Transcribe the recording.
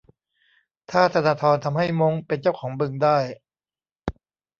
ถ้าธนาธรทำให้ม้งเป็นเจ้าของบึงได้